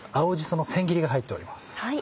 その千切りが入っております。